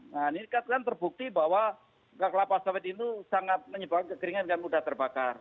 nah ini kan terbukti bahwa kelapa sawit itu sangat menyebabkan kekeringan kan mudah terbakar